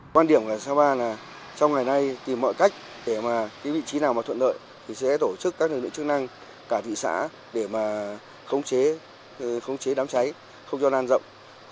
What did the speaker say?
quan điểm của sapa là trong ngày nay tìm mọi cách để vị trí nào thuận lợi sẽ tổ chức các lực lượng chức năng cả thị xã để khống chế đám cháy không cho đám rộng